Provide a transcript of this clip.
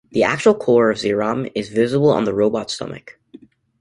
The actual core of Zeiram is visible on the robot's stomach.